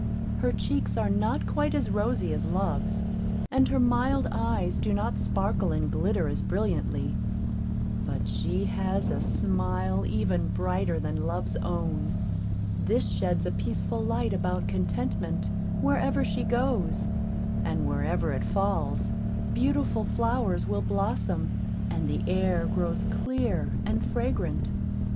Her cheeks are not quite as rosy as Love's, and her mild eyes do not sparkle and glitter as brilliantly; but she has a smile even brighter than Love's own; this sheds a peaceful light about Contentment wherever she goes; and wherever it falls, beautiful flowers will blossom, and the air grow clear and fragrant.